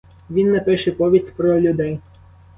Він напише повість про людей.